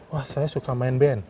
wah saya suka main band